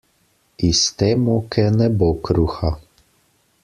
Iz te moke ne bo kruha.